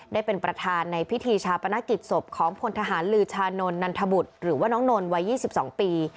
ได้เป็นประธานในพิธีชาปนกิจศพของพลทหารลือชานนทนนันทบุตรหรือว่าน้องนนท์วัย๒๒ปี